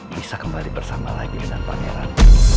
bisa kembali bersama lagi dengan pangeran